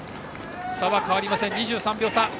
差は変わりません、２３秒差。